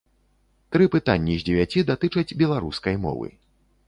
Тры пытанні з дзевяці датычаць беларускай мовы.